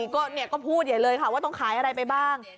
ก็พูดอย่างนี้เลยว่าต้องขายอะไรไปบ้าง